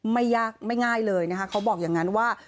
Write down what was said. ไม่ยากไม่ง่ายเลยนะคะเขาบอกอย่างนั้นว่า